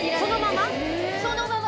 そのまま？